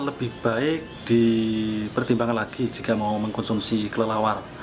lebih baik dipertimbangkan lagi jika mau mengkonsumsi kelelawar